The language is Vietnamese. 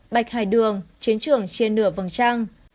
bạch hai đường chiến trường trên nửa vầng trăng